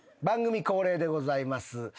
番組恒例でございます